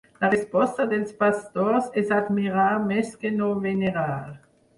La resposta dels pastors és admirar més que no venerar.